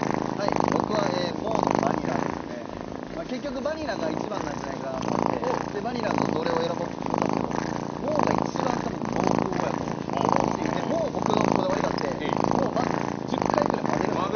結局、バニラが一番なんじゃないかなと思ってバニラだとどれを選ぼうと思ったんですけど、ＭＯＷが一番濃厚やと思うし僕のこだわりがあって、ＭＯＷを１０回ぐらい混ぜるんですよ。